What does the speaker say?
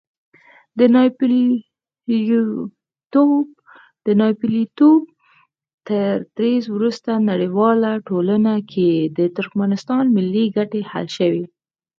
د ناپېیلتوب تر دریځ وروسته نړیواله ټولنه کې د ترکمنستان ملي ګټې حل شوې.